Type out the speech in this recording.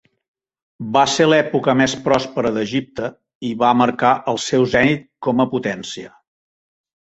Va ser l'època més pròspera d'Egipte i va marcar el seu zenit com a potència.